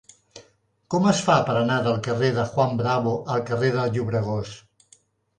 Com es fa per anar del carrer de Juan Bravo al carrer del Llobregós?